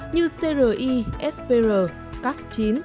như cri spr cas chín